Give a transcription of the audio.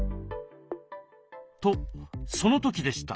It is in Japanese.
とその時でした。